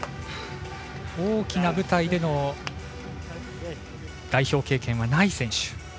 大きな舞台での代表経験はない選手。